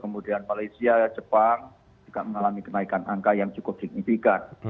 kemudian malaysia jepang juga mengalami kenaikan angka yang cukup signifikan